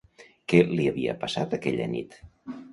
Què li havia passat aquella nit?